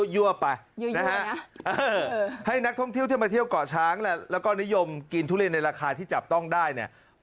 ยั่วไปยั่วอย่างเงี้ยเออให้นักท่องเที่ยวที่มาเที่ยวก่อช้างแล้วก็นิยมกินทุเรียนในราคาที่จับต้องได้เนี่ย